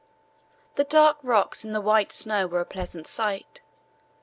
The dark rocks in the white snow were a pleasant sight.